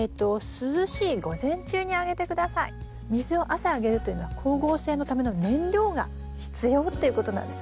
そうですね水を朝あげるというのは光合成のための燃料が必要っていうことなんです。